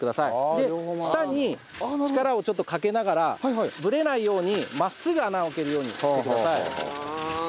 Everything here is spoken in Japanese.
で下に力をちょっとかけながらぶれないように真っすぐ穴を開けるようにしてください。